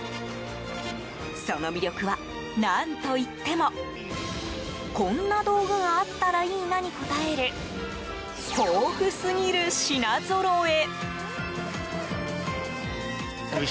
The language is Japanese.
その魅力は、何といってもこんな道具があったらいいなに応える豊富すぎる品ぞろえ。